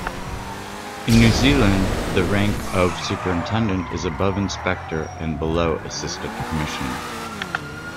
In New Zealand, the rank of superintendent is above inspector and below assistant commissioner.